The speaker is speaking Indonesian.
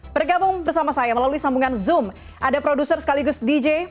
bergabung bersama saya melalui sambungan zoom ada produser sekaligus dj